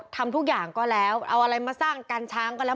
ทำทุกอย่างก็แล้วเอาอะไรมาสร้างกันช้างก็แล้ว